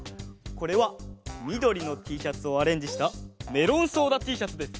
これはみどりのＴシャツをアレンジしたメロンソーダＴシャツです！